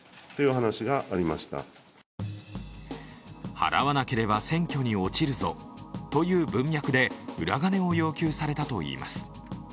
払わなければ選挙に落ちるぞという文脈で裏金を要求されたといいます。